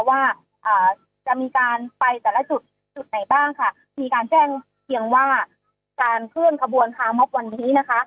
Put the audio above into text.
ว่าจะมีการไปแต่ละจุดจุดไหนบ้างค่ะมีการแจ้งเพียงว่าการเคลื่อนขบวนพามอบวันนี้นะคะ